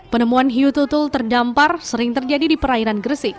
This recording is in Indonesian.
penemuan hiu tutul terdampar sering terjadi di perairan gresik